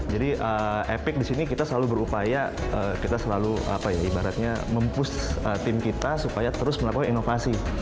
jadi epic di sini kita selalu berupaya kita selalu ibaratnya mempush team kita supaya terus melakukan inovasi